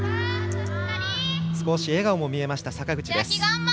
少し笑顔も見えました、坂口です。